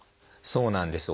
そうなんです。